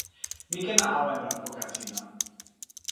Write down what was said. mi ken awen lon poka sina.